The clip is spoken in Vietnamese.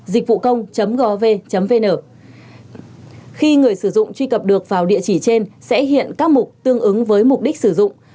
dịchvucông gov vn khi người sử dụng truy cập được vào địa chỉ trên sẽ hiện các mục tương ứng với mục đích sử dụng